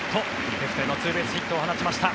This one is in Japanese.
レフトへのツーベースヒットを放ちました。